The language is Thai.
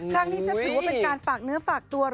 ครั้งนี้จะถือว่าเป็นการฝากเนื้อฝากตัว